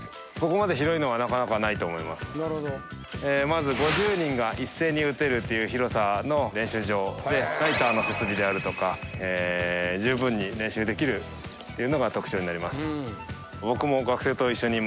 まず５０人が一斉に打てるっていう広さの練習場でナイターの設備であるとかじゅうぶんに練習できるっていうのが特徴になります。